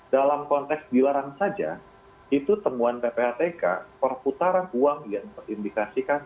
dalam konteks dilarang saja itu temuan ppatk perputaran uang yang terindikasikan